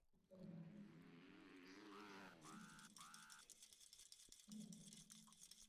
老實講冇噉佢啲賀圖嘅話，大時大節我都唔知點問候人好